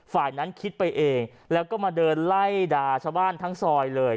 ฝ่ายนั้นคิดไปเองแล้วก็มาเดินไล่ด่าชาวบ้านทั้งซอยเลย